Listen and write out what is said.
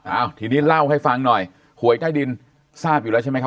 อ้าวทีนี้เล่าให้ฟังหน่อยหวยใต้ดินทราบอยู่แล้วใช่ไหมครับ